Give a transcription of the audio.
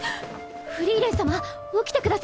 フリーレン様起きてください。